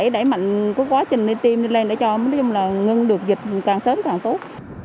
đẩy mạnh quá trình đi tiêm lên để cho nói chung là ngưng được dịch càng sớm càng tốt